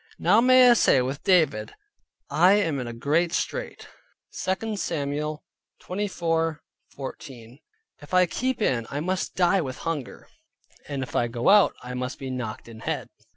Now may I say with David, "I am in a great strait" (2 Samuel 24.14). If I keep in, I must die with hunger, and if I go out, I must be knocked in head.